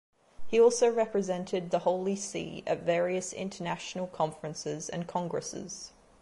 He has also represented the Holy See at various international conferences and congresses.